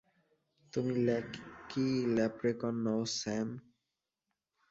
তুমি lucky leprechaun নও, Sam.